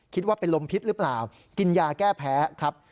คิดว่าเป็นลมพิษหรือเปล่ากินยาแก้แพ้ครับ